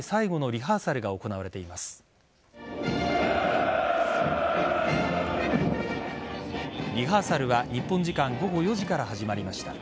リハーサルは日本時間午後４時から始まりました。